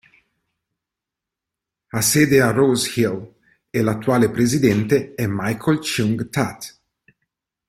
Ha sede a Rose-Hill e l'attuale presidente è Michael Cheung Tat.